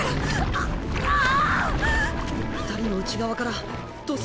あっあぁ。